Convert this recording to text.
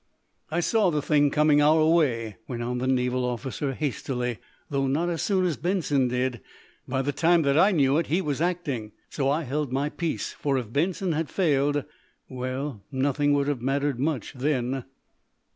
"I saw the thing coming our way," went on the naval officer, hastily, "though not as soon as Benson did. By the time that I knew it, he was acting. So I held my peace, for, if Benson had failed well, nothing would have mattered much then!"